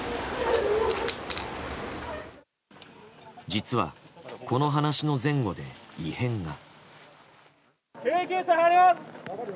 実はこの話の前後で異変が。